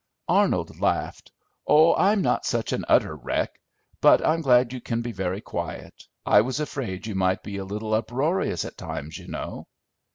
Arnold laughed. "Oh, I'm not such an utter wreck; but I'm glad you can be very quiet. I was afraid you might be a little uproarious at times, you know."